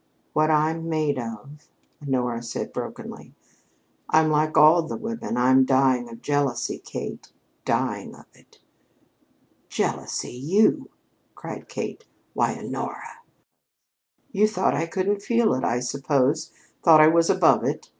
"What I'm made of!" said Honora brokenly. "I'm like all the women. I'm dying of jealousy, Kate, dying of it." "Jealousy you?" cried Kate. "Why, Honora " "You thought I couldn't feel it, I suppose, thought I was above it?